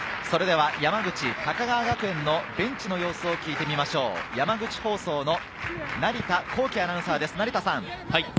それでは山口・高川学園のベンチの様子を聞いてみましょう、山口放送の成田弘毅アナウンサーです。